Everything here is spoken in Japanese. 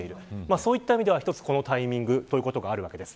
そういった意味ではこのタイミングということがあるわけです。